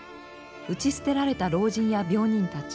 打ち捨てられた老人や病人たち。